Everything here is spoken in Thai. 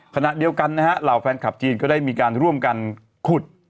ขณะเดียวกันนะฮะเหล่าแฟนคลับจีนก็ได้มีการร่วมกันขุด